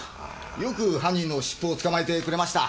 よく犯人の尻尾を捕まえてくれました。